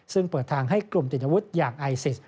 ซึ่งเปิดทางให้กลุ่มเจริญนวุฒิอย่างไอซิส